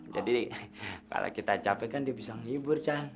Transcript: jadi kalau kita capek kan dia bisa nghibur jan